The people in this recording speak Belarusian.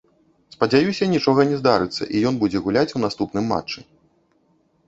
Спадзяюся нічога не здарыцца і ён будзе гуляць у наступным матчы.